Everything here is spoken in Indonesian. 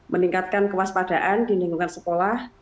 meningkatkan kewaspadaan di lingkungan sekolah